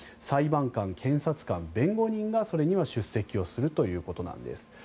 裁判官、検察官、弁護人がそれに出席するということです。